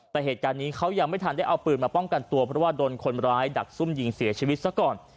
แต่เหตุการณ์นี้เขายังไม่ทันได้เอาปืนมาป้องกันตัวเพราะว่าโดนคนร้ายดักซุ่มยิงเสียชีวิตซะก่อน